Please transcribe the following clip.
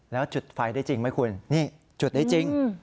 แล้วจุดไฟได้จริงไหมคุณนี่จุดได้จริง